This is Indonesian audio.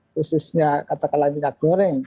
khususnya katakanlah minyak goreng